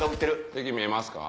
敵見えますか？